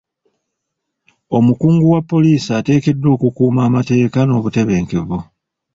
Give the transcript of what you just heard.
Omukungu wa poliisi ateekeddwa okukuuma amateeka n'obutebenkevu.